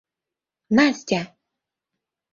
Настя!